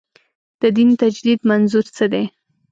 د دین تجدید منظور څه دی.